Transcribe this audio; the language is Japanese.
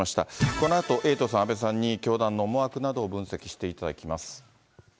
このあとエイトさん、阿部さんに、教団の思惑などを分析していただ